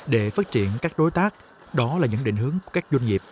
để phát triển các đối tác đó là những định hướng của các doanh nghiệp